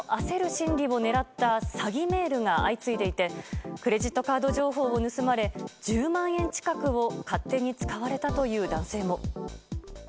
心理を狙った詐欺メールが相次いでいてクレジットカード情報を盗まれ１０万円近くを勝手に使われたという男性も。